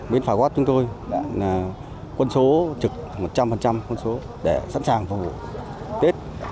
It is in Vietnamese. bến phà gót chúng tôi đã quân số trực một trăm linh quân số để sẵn sàng phục vụ tết